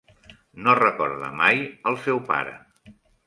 No recorda mai el seu pare.